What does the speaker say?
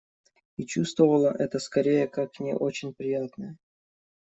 И чувствовала это скорее как не очень приятное.